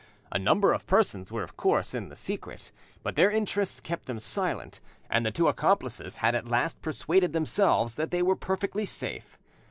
A number of persons were of course in the secret, but their interests kept them silent, and the two accomplices had at last persuaded themselves that they were perfectly safe.